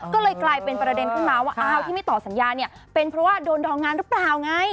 ก็เลยกลายเป็นประเด็นขึ้นมาว่าอ้าวที่ไม่ต่อสัญญาเนี่ยเป็นเพราะว่าโดนดองงานหรือเปล่าไง